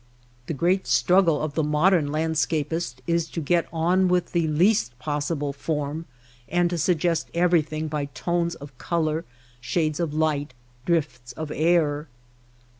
The great struggle of the modern landscapist is to get on with the least possible form and to suggest everything by tones of color, shades of light, drifts of air.